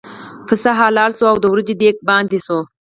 پسه حلال شو او د وریجو دېګ باندې شو.